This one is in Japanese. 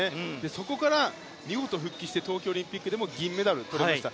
そこから見事復帰して東京オリンピックでも銀メダル取りました。